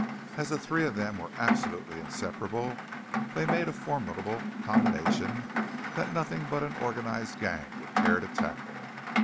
As the three of them were absolutely inseparable they made a formidable combination that nothing but an organized gang would care to tackle.